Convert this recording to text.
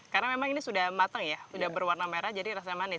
karena memang ini sudah matang ya sudah berwarna merah jadi rasanya manis